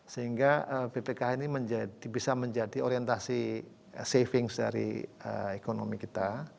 sehingga bpkh ini bisa menjadi orientasi saving dari ekonomi kita